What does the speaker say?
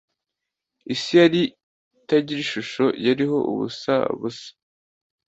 Isi yari itagira ishusho, yariho ubusa busa